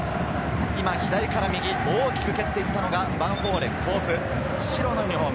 左から右、大きく蹴っていったのかヴァンフォーレ甲府、白のユニホーム。